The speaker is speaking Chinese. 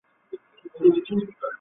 田承嗣为魏博节度使。